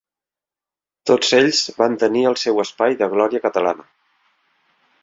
Tots ells van tenir el seu espai de glòria catalana.